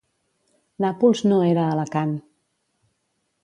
Nàpols no era Alacant.